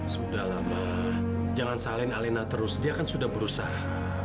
sudah lama jangan salin alena terus dia kan sudah berusaha